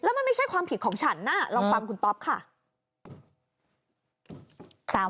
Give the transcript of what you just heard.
มันไม่ใช่ความผิดของฉันน่ะลองฟังคุณต๊อปค่ะ